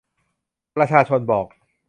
ประชาชนบอก